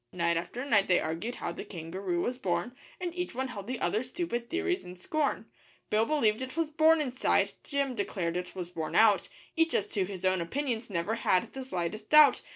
Night after night they argued how the kangaroo was born, And each one held the other's stupid theories in scorn, Bill believed it was 'born inside,' Jim declared it was born out Each as to his own opinions never had the slightest doubt.